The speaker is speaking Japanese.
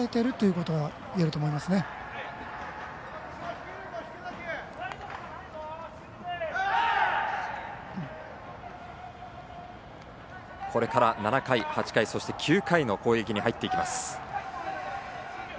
これから７回、８回そして９回の攻撃に入っていきます。